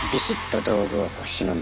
道具。